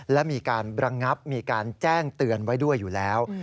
และมีการระงับมีการแจ้งเตือนไว้ด้วยอยู่แล้ว